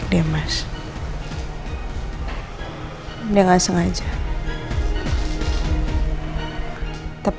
tapi riana udah mau pintumnya lah